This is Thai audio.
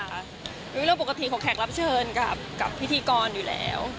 เรื่องปกติของแขกรับเชิญกับพิธีกรอยู่แล้ว